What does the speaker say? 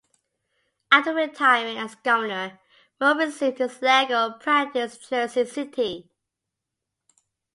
After retiring as governor, Moore resumed his legal practice in Jersey City.